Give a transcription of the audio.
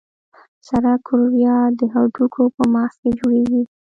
سره کرویات د هډوکو په مغز کې جوړېږي.